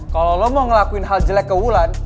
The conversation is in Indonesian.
kalau lo mau ngelakuin hal jelek ke wulan